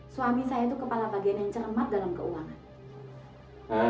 suami saya itu kepala bagian yang cermat dalam keuangan